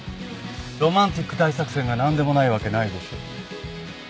ロマンチック大作戦が何でもないわけないでしょう。